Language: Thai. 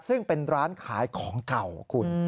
ซึ่งเป็นร้านขายของเก่าคุณ